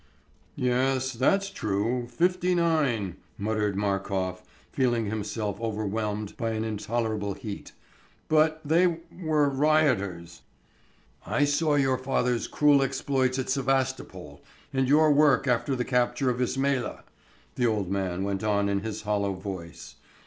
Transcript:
"Yes ... that's true ... fifty nine ..." muttered Markof, feeling himself overwhelmed by an intolerable heat. "But they ... were ... rioters...." "I saw your father's cruel exploits at Sevastopol, and your work after the capture of Ismaila," the old man went on in his hollow voice.